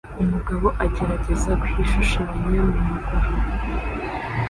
Umugabo agerageza kwishushanya mumaguru